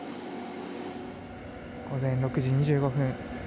午前６時２５分。